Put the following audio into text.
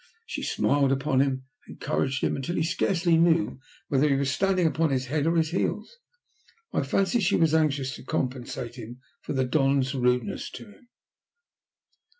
She smiled upon him, and encouraged him, until he scarcely knew whether he was standing upon his head or his heels. I fancy she was anxious to compensate him for the Don's rudeness to him.